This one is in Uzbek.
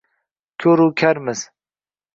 Ko’ru karmiz